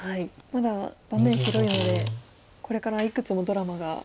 まだ盤面広いのでこれからいくつもドラマが。